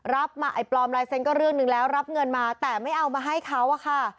รับมาไอ้ปลอมลายเซ็นต์ก็เรื่องหนึ่งแล้วรับเงินมาแต่ไม่เอามาให้เขาอะค่ะ